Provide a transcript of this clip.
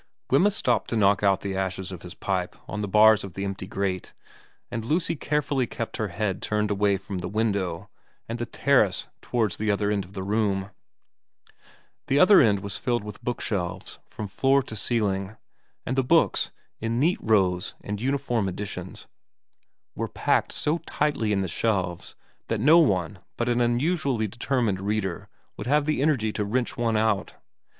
Wemyss stooped to knock out the ashes of his pipe on the bars of the empty grate, and Lucy carefully kept her head turned away from the window and the terrace towards the other end of the room. The other end was filled with bookshelves from floor to ceiling, and the books, in neat rows and uniform editions, were packed 198 xvra VERA 199 so tightly in the shelves that no one but an unusually determined reader would have the energy to wrench one out.